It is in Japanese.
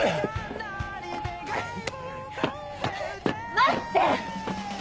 待って！